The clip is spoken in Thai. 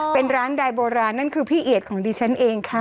เป็นร้านใดโบราณนั่นคือพี่เอียดของดิฉันเองค่ะ